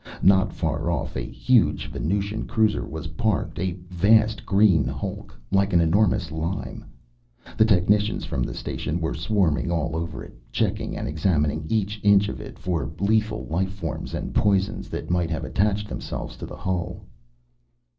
Not far off a huge Venusian cruiser was parked, a vast green hulk, like an enormous lime. The technicians from the station were swarming all over it, checking and examining each inch of it for lethal life forms and poisons that might have attached themselves to the hull.